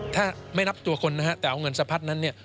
ถ้าไม่นับตัวคนนะครับแต่เอาเงินสะพัดนั้น